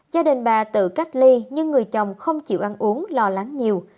gia đình bà tự cách ly nhưng người chồng không chịu ăn uống lo lắng nhiều